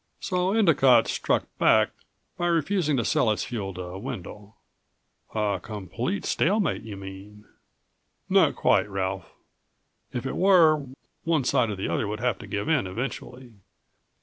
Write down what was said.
So Endicott struck back by refusing to sell its fuel to Wendel." "A complete stalemate, you mean?" "Not quite, Ralph. If it were, one side or the other would have to give in eventually.